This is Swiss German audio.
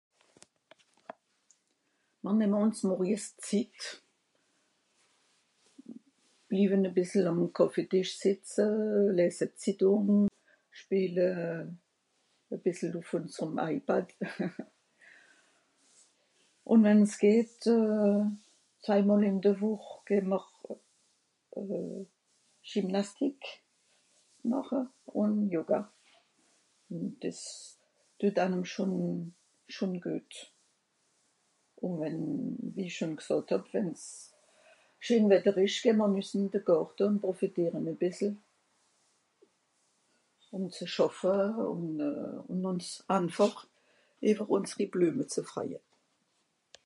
mr nehm àls s'morje s'zit blieven à bìssel àm kàffetìsch sìtze lässe d'zitùng schpeel à bìssel ùff ùnserem ipad ùn wenn's geht euh zwai mòl ìn de woch geh mr euh gymnastique màche ùn yoga ùn des deu dànn schòn schòn geut ùn wenn esch hàn g'sàt hàb wenn's scheen wetter esch geh mr nüss ìn de gàrte ùn profieteren à bìssel ùm zu schàffe ùn àns einfàch ìwer ùnseri bleume zu freuje